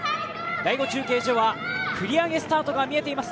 第５中継所は繰り上げスタートが見えています。